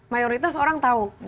mayoritas orang tau